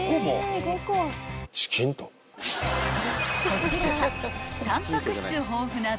［こちらは］